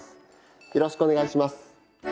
よろしくお願いします。